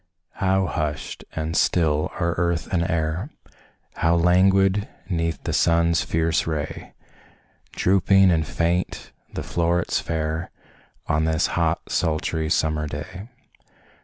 How hushed and still are earth and air, How languid 'neath the sun's fierce ray Drooping and faint the flowrets fair, On this hot, sultry, summer day!